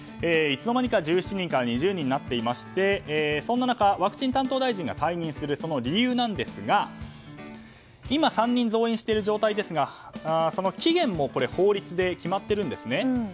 いつのまにか１７人から２０人になっていましてワクチン担当大臣が退任する理由ですが今３人増員されていますがそちらの期限も法律で決まっているんですね。